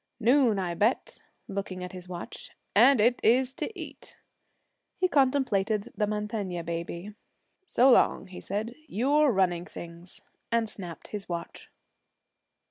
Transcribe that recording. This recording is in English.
Noon, I bet,' looking at his watch, 'and it is to eat.' He contemplated the Mantegna baby. 'So long,' he said, 'you're running things,' and snapped his watch.